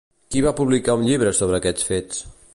Qui va publicar un llibre sobre aquests fets?